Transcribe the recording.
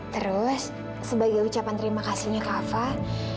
terus sebagai ucapan terima kasihnya kak fah